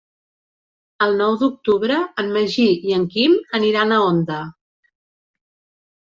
El nou d'octubre en Magí i en Quim aniran a Onda.